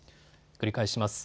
繰り返します。